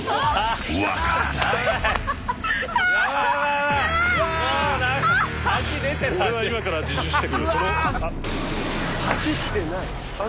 俺は今から自首してくるあっ。